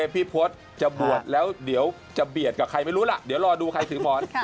พี่พศจะบวชแล้วเดี๋ยวจะเบียดกับใครไม่รู้ล่ะเดี๋ยวรอดูใครถือหมอน